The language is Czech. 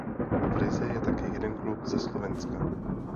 V lize je také jeden klub ze Slovenska.